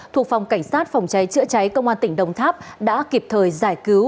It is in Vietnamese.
thuộc phòng cảnh sát phòng cháy chữa cháy công an tỉnh đồng tháp đã kịp thời giải cứu